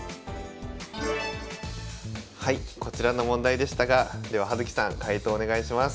こちらの問題でしたがでは葉月さん解答お願いします。